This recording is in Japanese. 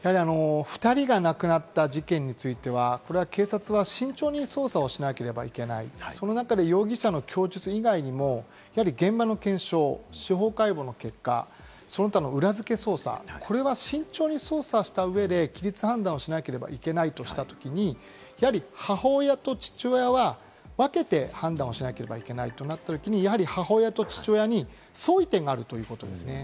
２人が亡くなった事件については、警察は慎重に捜査をしなければいけない、その中で容疑者の供述以外にも現場の検証、司法解剖の結果、その他の裏付け捜査、これは慎重に捜査した上で規律、判断をしなければいけないとしたときに、母親と父親は分けて判断をしなければいけないとなったときに、母親と父親に相違点があるということです。